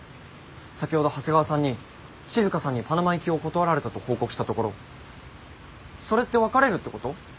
先ほど長谷川さんに静さんにパナマ行きを断られたと報告したところ「それって別れるってこと？